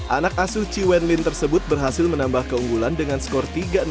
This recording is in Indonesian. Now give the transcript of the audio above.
anak asuh chi wen lin tersebut berhasil menambah keunggulan dengan skor tiga puluh enam dua puluh empat